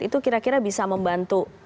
itu kira kira bisa membantu